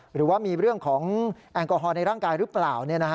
หรือว่ามีเรื่องของแอลกอฮอลในร่างกายหรือเปล่า